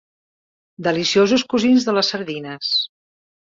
Deliciosos cosins de les sardines.